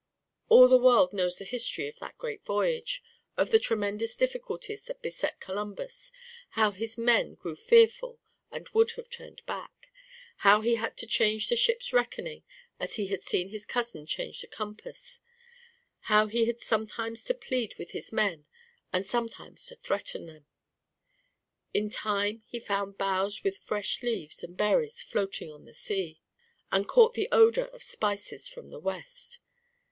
All the world knows the history of that great voyage, of the tremendous difficulties that beset Columbus, how his men grew fearful and would have turned back, how he had to change the ship's reckoning as he had seen his cousin change the compass, how he had sometimes to plead with his men and sometimes to threaten them. In time he found boughs with fresh leaves and berries floating on the sea, and caught the odor of spices from the west.